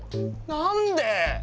何で！？